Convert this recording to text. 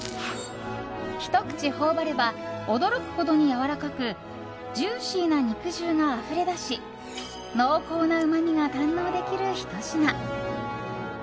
ひと口、頬張れば驚くほどにやわらかくジューシーな肉汁があふれ出し濃厚なうまみが堪能できるひと品。